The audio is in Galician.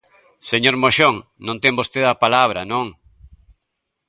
Señor Moxón, non ten vostede a palabra, non.